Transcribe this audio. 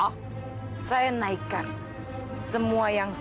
kalau nggak bakal jadi begitu